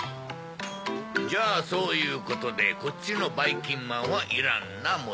じゃあそういうことでこっちのばいきんまんはいらんなもし。